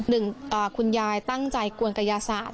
หนึ่งคุณยายตั้งใจกวนกายศาสต